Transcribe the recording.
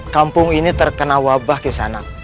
kampung ini terkena wabah kisah anak